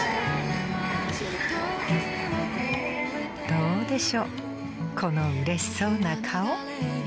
［どうでしょうこのうれしそうな顔］